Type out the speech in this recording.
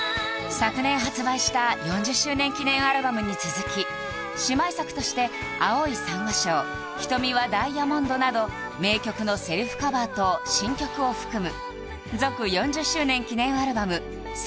昨年発売した４０周年記念アルバムに続き姉妹作として「青い珊瑚礁」「瞳はダイアモンド」など名曲のセルフカバーと新曲を含む